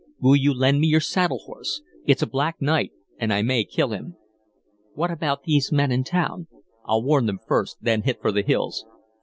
"Will you lend me your saddle horse? It's a black night and I may kill him." "What about these men in town?" "I'll warn them first, then hit for the hills."